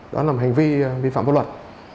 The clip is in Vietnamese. đó là một hành vi vi phạm vô luật